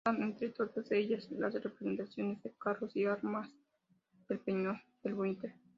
Destacan entre todas ellas las representaciones de carros y armas del Peñón del Buitre.